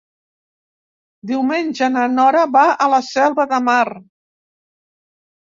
Diumenge na Nora va a la Selva de Mar.